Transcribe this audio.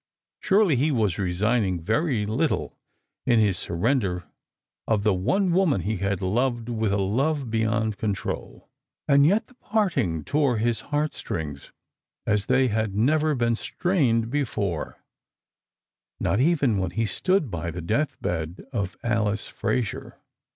Surely he was resigning very little in this surrender of the one woman he had loved with a love beyond control. And yet the parting tore his heart strings as they had never been strained before — not even when he stood by the death bed of Alice Fraser.